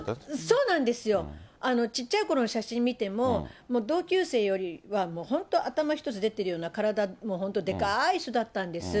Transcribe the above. そうなんですよ、ちっちゃいころの写真を見ても、もう同級生よりは、頭一つ出てるような体、本当でかい人だったんです。